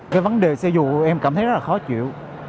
cái vấn đề xe dù em cảm thấy rất là khó chịu